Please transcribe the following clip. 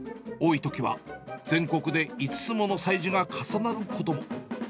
多いときは全国で５つもの催事が重なることも。